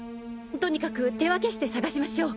とにかく手分けして捜しましょう！